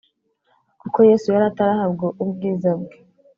kuko Yesu yari atarahabwa ubwiza bwe